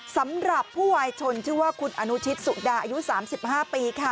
สำหรับผู้วายชนชื่อว่าคุณอนุชิตสุดาอายุ๓๕ปีค่ะ